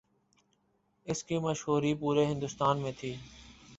اس کی مشہوری پورے ہندوستان میں تھی۔